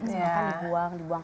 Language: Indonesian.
mereka dibuang dibuang